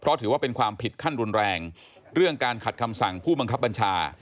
เพราะถือว่าเป็นความผิดขั้นรุนแรงเรื่องการขัดคำสั่งผู้บังคับบัญชา